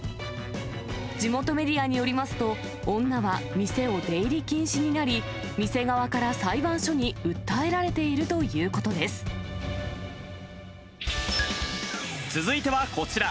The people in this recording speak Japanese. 地元メディアによりますと、女は店を出入り禁止になり、店側から裁判所に訴えられている続いてはこちら。